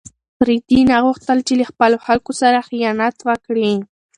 رېدي نه غوښتل چې له خپلو خلکو سره خیانت وکړي.